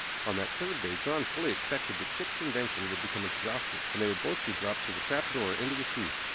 On that third day John fully expected that Chick's invention would become exhausted, and they would both be dropped through the trap door into the sea.